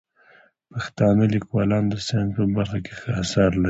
پښتانه لیکوالان د ساینس په برخه کې ښه اثار لري.